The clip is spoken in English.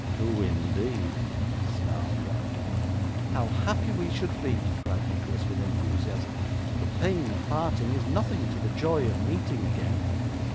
'Who, indeed!' snarled Ralph. 'How happy we should be!' cried Nicholas with enthusiasm. 'The pain of parting is nothing to the joy of meeting again.